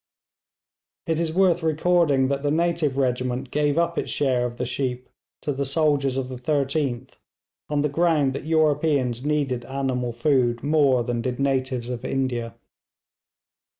It is worth recording that the native regiment gave up its share of the sheep to the soldiers of the 13th, on the ground that Europeans needed animal food more than did natives of India.